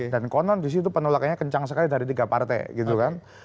dan konon disitu penolakannya kencang sekali dari tiga partai gitu kan